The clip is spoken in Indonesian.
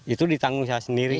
itu ditanggung saya sendiri